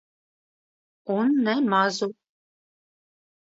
Un ne mazu.